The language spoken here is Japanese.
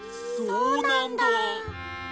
そうなんだ。